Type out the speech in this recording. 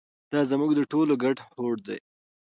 دا زموږ د ټولو ګډ هوډ دی.